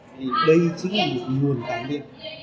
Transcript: vì đây chính là một nguồn tài liệu